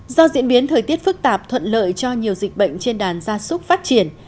do diễn biến thời tiết phức tạp thuận lợi cho nhiều dịch bệnh trên đàn gia súc phát triển